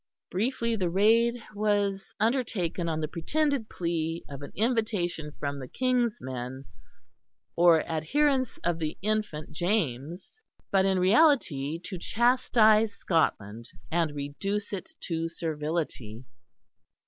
Briefly the raid was undertaken on the pretended plea of an invitation from the "King's men" or adherents of the infant James; but in reality to chastise Scotland and reduce it to servility.